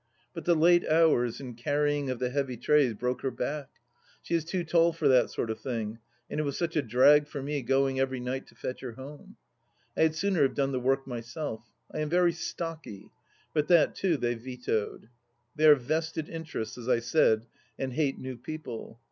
But the late hours and carrying of the heavy trays broke her back ; she is too tall for that sort of thing, and it was such a drag for me going every night to fetch her home. I had sooner have done the work myself. I am very " stocky." But that, too, they vetoed. They are vested interests, as I said, and hate new people.